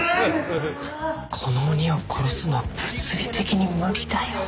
この鬼を殺すのは物理的に無理だよ。